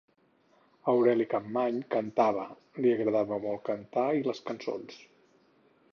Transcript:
Aureli Capmany cantava, li agradava molt cantar i les cançons.